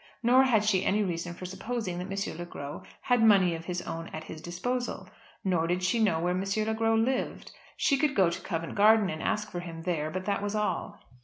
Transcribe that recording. Nor had she any reason for supposing that M. Le Gros had money of his own at his disposal; nor did she know where M. Le Gros lived. She could go to Covent Garden and ask for him there; but that was all.